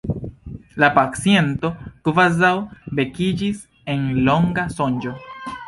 La paciento kvazaŭ vekiĝis el longa sonĝo.